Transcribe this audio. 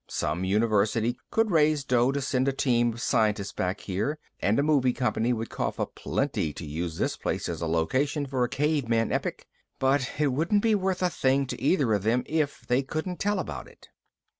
Some university could raise dough to send a team of scientists back here and a movie company would cough up plenty to use this place as a location for a caveman epic. But it wouldn't be worth a thing to either of them if they couldn't tell about it.